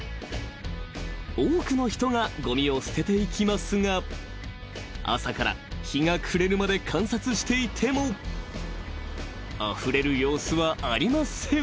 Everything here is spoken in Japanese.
［多くの人がごみを捨てていきますが朝から日が暮れるまで観察していてもあふれる様子はありません］